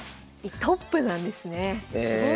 トップなんですね。